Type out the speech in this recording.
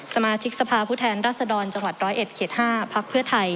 สมาชิกสภาพผู้แทนรัศดรจังหวัด๑๐๑เขต๕พักเพื่อไทย